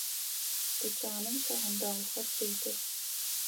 Тучаным щыгъын дэгъухэр телъых.